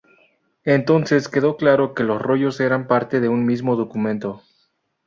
Entonces quedó claro que los rollos eran parte de un mismo documento.